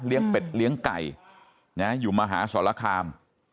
เป็ดเลี้ยงไก่อยู่มหาสรคาม